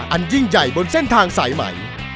อันยิ่งใหญ่บนเส้นทางสายใหม่